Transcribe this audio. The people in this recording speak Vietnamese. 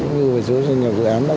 như dưới nhà dự án